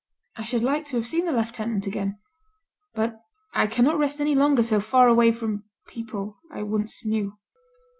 I should like to have seen the lieutenant again. But I cannot rest any longer so far away from people I once knew.'